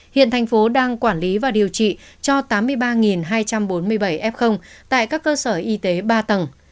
hiện thành phố đang quản lý và điều trị cho tám mươi ba hai trăm bốn mươi bảy f tại các cơ sở y tế ba tầng